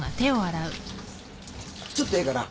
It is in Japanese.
ちょっとええかな？